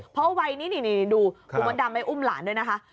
เพราะวัยนี้นี่ดูคุณมดดำไปอุ้มหลานด้วยนะคะ